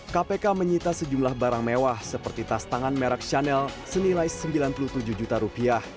kpk menyita sejumlah barang mewah seperti tas tangan merek chanel senilai sembilan puluh tujuh juta rupiah